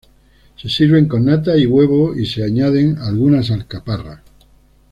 Se sirven con nata y huevo y se añaden algunas alcaparras.